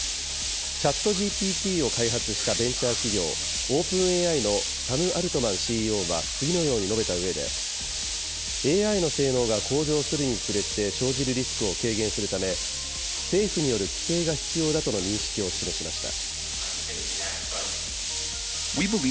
ＣｈａｔＧＰＴを開発したベンチャー企業、オープンＡＩのサム・アルトマンＣＥＯは次のように述べたうえで、ＡＩの性能が向上するにつれて生じるリスクを軽減するため、政府による規制が必要だとの認識を示しました。